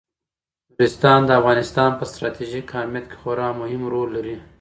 نورستان د افغانستان په ستراتیژیک اهمیت کې خورا مهم رول لري.